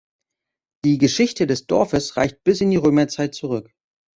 Die Geschichte des Dorfes reicht bis in die Römerzeit zurück.